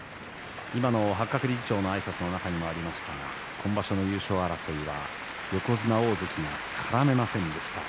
今の八角理事長のあいさつの中にもありましたが今場所の優勝争いは横綱大関が絡めませんでした。